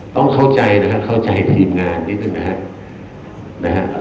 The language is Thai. ต้องเข้าใจนะฮะเตรียมงานนิดนึงนะฮะ